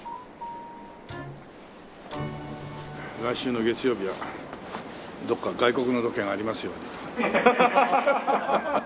来週の月曜日はどこか外国のロケがありますように。